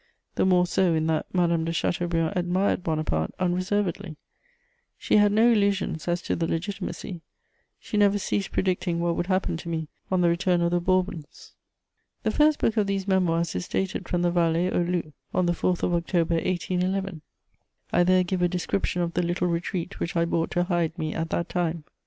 The more so in that Madame de Chateaubriand admired Bonaparte unreservedly; she had no illusions as to the Legitimacy: she never ceased predicting what would happen to me on the return of the Bourbons. * [Sidenote: The Vallée aux Loups.] The first book of these Memoirs is dated from the Vallée aux Loups, on the 4th of October 1811: I there give a description of the little retreat which I bought to hide me at that time.